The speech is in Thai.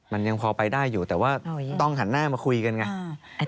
มันยังพอไปได้อยู่แต่ว่าต้องหันหน้ามาคุยกันไง